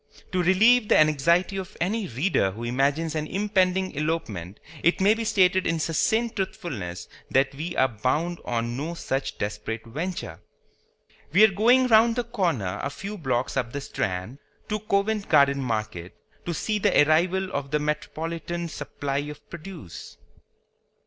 To relieve the anxiety of any reader who imagines an impending elopement it may be stated in succinct truthfulness that we are bound on no such desperate venture. We are going round the corner a few blocks up the Strand, to Covent Garden Market, to see the arrival of the metropolitan supply of produce.